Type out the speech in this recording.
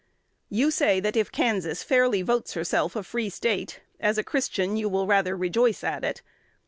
You say, that, if Kansas fairly votes herself a Free State, as a Christian you will rather rejoice at it.